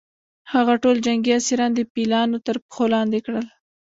هغه ټول جنګي اسیران د پیلانو تر پښو لاندې کړل.